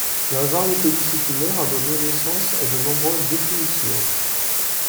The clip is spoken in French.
La variété disciplinaire a donné naissance à de nombreuses définitions.